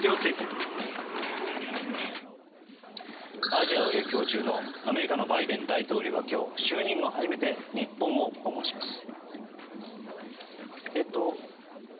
アジアを歴訪中のアメリカのバイデン大統領は今日、就任後初めて日本を訪問します。